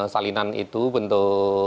salinan itu bentuk